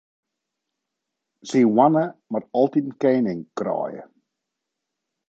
Syn hoanne moat altyd kening kraaie.